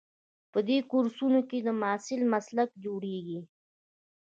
په دې کورسونو کې د محصل مسلک جوړیږي.